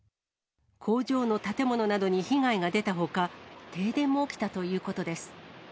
工場の建物などに被害が出たほか、停電も起きたということです。